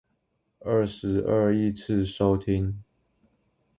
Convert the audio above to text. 二十二億次收聽